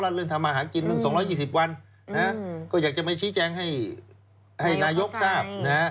รัฐเรือนธรรมหากิน๒๒๐วันก็อยากจะไปชี้แจงให้นายกทราบ